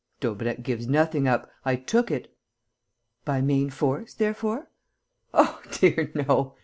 "Daubrecq gives nothing up. I took it." "By main force, therefore?" "Oh, dear, no!"